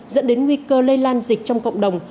dẫn đến nguy cơ lây lan dịch trong cộng đồng